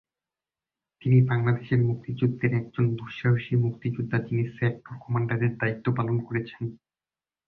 তিনি বাংলাদেশের মুক্তিযুদ্ধের একজন দুঃসাহসী মুক্তিযোদ্ধা যিনি সেক্টর কমান্ডারের দায়িত্ব পালন করেছেন।